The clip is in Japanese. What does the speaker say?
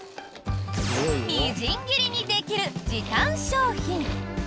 みじん切りにできる時短商品。